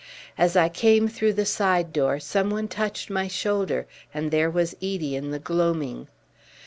As I came through the side door someone touched my shoulder, and there was Edie in the gloaming.